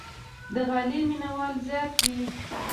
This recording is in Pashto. د غالۍ مینوال زیات دي.